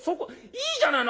「いいじゃないの！